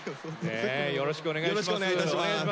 よろしくお願いします。